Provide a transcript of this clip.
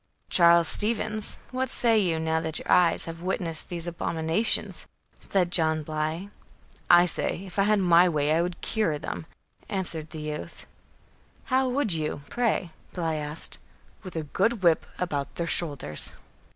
"Charles Stevens, what say you, now that your eyes have witnessed these abominations?" said John Bly. "I say, if I had my way, I would cure them," answered the youth. "How would you, pray?" Bly asked. "With a good whip about their shoulders."